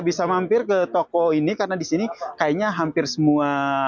bisa mampir ke toko ini karena disini kayaknya hampir semua